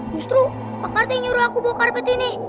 justru pak karta yang nyuruh aku bawa karpet ini